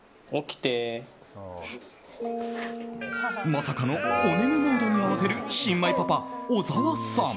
まさかの、おねむモードに慌てる新米パパ、小澤さん。